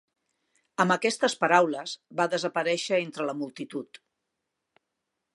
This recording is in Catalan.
Amb aquestes paraules va desaparèixer entre la multitud.